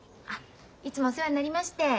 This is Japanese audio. いつもお世話になりまして。